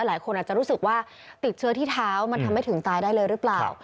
หลายคนอาจจะรู้สึกว่าติดเชื้อที่เท้ามันทำให้ถึงตายได้เลยหรือเปล่า